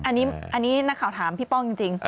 อันนี้นักข่าวถามพี่ป้องจริง